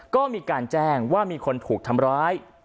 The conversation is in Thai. ก็มีการแจ้งว่ามีคนถูกทำร้าย